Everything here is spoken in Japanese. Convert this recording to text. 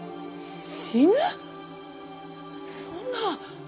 そんな。